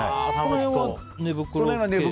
この辺は寝袋？